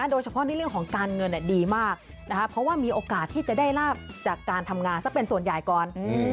โดยเฉพาะในเรื่องของการเงินดีมากเพราะว่ามีโอกาสที่จะได้ลาบจากการทำงานซะเป็นส่วนใหญ่ก่อน